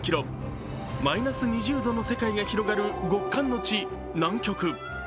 マイナス２０度の世界が広がる極寒の地・南極。